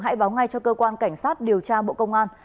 hãy báo ngay cho cơ quan cảnh sát điều tra bộ công an